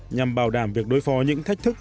nhằm bảo đảm việc đối phó những thách thức